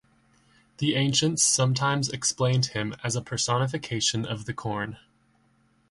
The ancients sometimes explained him as a personification of the corn.